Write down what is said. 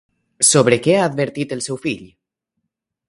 Sobre què ha advertit el seu fill?